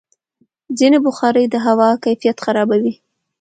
ځینې بخارۍ د هوا کیفیت خرابوي.